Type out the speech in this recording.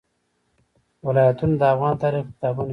ولایتونه د افغان تاریخ په کتابونو کې شته.